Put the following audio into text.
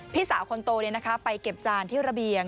พี่สาวคนโตไปเก็บจานที่ระเบียง